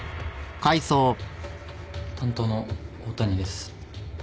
担当の大谷です